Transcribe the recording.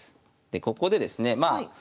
でここでですねまあ